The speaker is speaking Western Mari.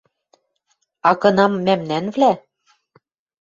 А кынам мӓмнӓнвлӓ